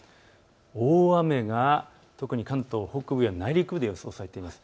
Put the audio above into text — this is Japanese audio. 大雨が特に関東北部や内陸部で予想されています。